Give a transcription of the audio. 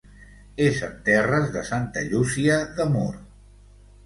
És en terres de Santa Llúcia de Mur.